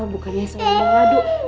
bukannya saya beradu